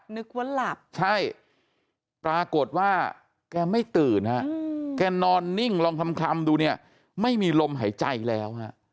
นึกว่าหลับใช่ปรากฏว่าแกไม่ตื่นฮะแกนอนนิ่งลองคลำดูเนี่ยไม่มีลมหายใจแล้วฮะ